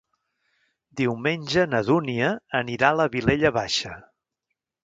Diumenge na Dúnia anirà a la Vilella Baixa.